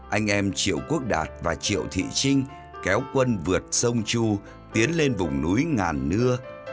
anh em triệu quốc đạt và triệu thị trinh kéo quân vượt sông chu tiến lên vùng núi ngàn nưa